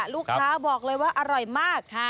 ลูกค้าบอกเลยว่าอร่อยมาก